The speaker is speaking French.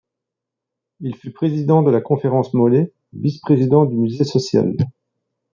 Il fut président de la Conférence Molé, vice-président du Musée social.